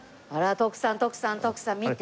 徳さん徳さん徳さん見て。